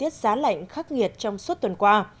tuyết giá lạnh khắc nghiệt trong suốt tuần qua